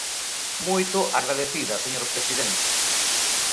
Moito agradecida, señor presidente.